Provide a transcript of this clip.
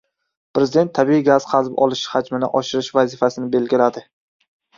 Prezident tabiiy gaz qazib olish hajmini oshirish vazifasini belgiladi